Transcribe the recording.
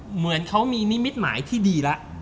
เหมือนเขามีนิมิตหมายที่ดีแล้ว